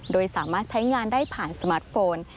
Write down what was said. โดยสามารถใช้งานได้ผ่านสมาร์ทโฟน